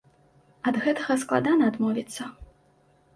Ад гэтага складана адмовіцца.